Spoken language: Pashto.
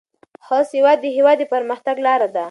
ښه سواد د هیواد د پرمختګ لاره ده.